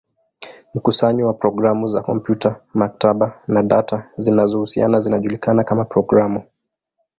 Mkusanyo wa programu za kompyuta, maktaba, na data zinazohusiana zinajulikana kama programu.